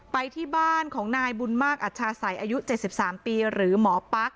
ไปที่บ้านของนายบุญมากอัชชาศัยอายุ๗๓ปีหรือหมอปั๊ก